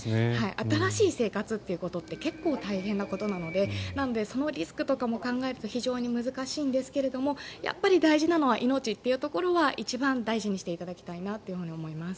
新しい生活って結構大変ですのでなので、そのリスクとかも考えると非常に難しいんですがやっぱり大事なのは命というところは一番大事にしていただきたいなと思います。